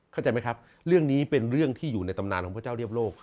เข้าใจไหมครับเรื่องนี้เป็นเรื่องที่อยู่ในตำนานของพระเจ้าเรียบโลก